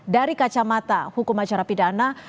dari kacamata hukum acara pidana